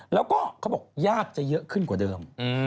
แล้วก็เขาบอกญาติจะเยอะขึ้นกว่าเดิม